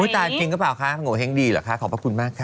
อุ๊ยตายกินกระเป๋าค่ะโง่เฮ้งดีเหรอค่ะขอบคุณมากค่ะ